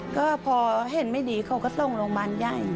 ก็พอเห็นไม่ดีเขาก็ส่งโรงพยาบาลใหญ่